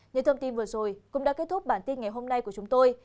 những thông tin vừa rồi cũng đã kết thúc bản tin ngày hôm nay của chúng tôi